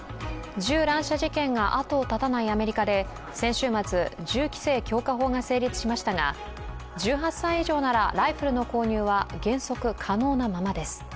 銃乱射事件が後を絶たないアメリカで、先週末銃規制強化法が成立しましたが、１８歳以上ならライフルの購入は原則可能なままです。